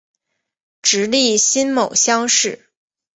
直隶辛卯乡试。